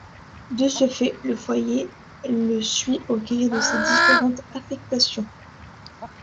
De ce fait, le foyer le suit au gré de ses différentes affectations.